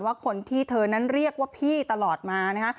ว่าคนที่เธอนั้นเรียกว่าพี่ตลอดมานะคะ